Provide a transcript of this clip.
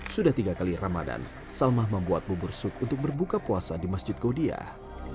sudah tiga kali ramadan salmah membuat bubur sup untuk berbuka puasa di masjid kodiah